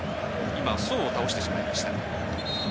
今ソウを倒してしまいました。